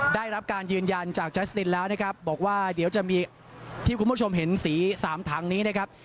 ได้รับการยืนยันจากใจสตินแล้วนะครับบอกว่าเดี๋ยวจะมีที่คุณผู้ชมเห็นสีสามถังนี้นะครับ